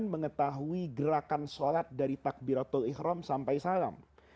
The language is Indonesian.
mengetahui gerakan sholat dari takbiratul ikhram sampai salam